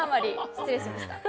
失礼しました。